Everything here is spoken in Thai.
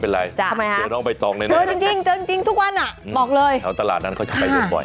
แล้วตลาดนั้นก็จะไปอยู่บ่อย